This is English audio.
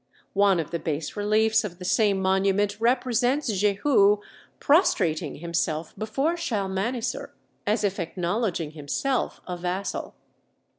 One of the bas reliefs of the same monument represents Jehu prostrating himself before Shalmaneser, as if acknowledging himself a vassal.